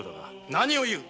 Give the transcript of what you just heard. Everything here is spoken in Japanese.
何を言う！